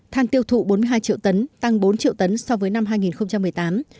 than tiêu thụ bốn mươi hai triệu tấn tăng bốn triệu tấn so với năm hai nghìn một mươi tám